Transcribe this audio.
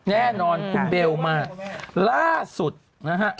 แน่นอนคุณเบลมาล่าสุดนะฮะ